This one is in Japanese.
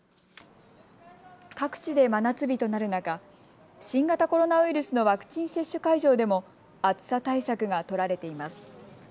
各地で真夏日となる中、新型コロナウイルスのワクチン接種会場でも暑さ対策が取られています。